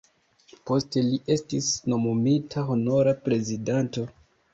Poste li estis nomumita Honora Prezidanto.